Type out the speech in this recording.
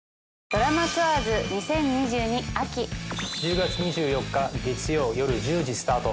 『ドラマツアーズ２０２２秋』１０月２４日月曜夜１０時スタート。